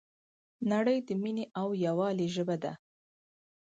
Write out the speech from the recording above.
نړۍ د مینې او یووالي ژبه ده.